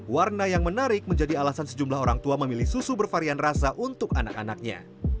warna yang menarik menjadi alasan sejumlah orang tua memilih susu bervarian rasa untuk anak anaknya